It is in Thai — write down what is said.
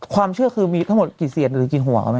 ความเชื่อมีทั้งหมดกี่เศียรหรือกินหัว